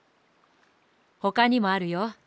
ほかにもあるよ。